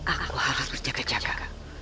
aku harus berjaga jaga